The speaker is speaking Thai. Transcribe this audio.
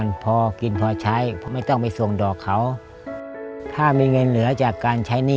หนูก็เป็นห่วงพ่ออยากให้พ่อหายดีกลับมาเป็นเหมือนเดิมไปไหนมาไหนได้